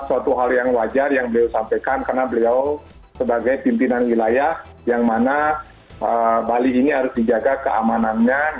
suatu hal yang wajar yang beliau sampaikan karena beliau sebagai pimpinan wilayah yang mana bali ini harus dijaga keamanannya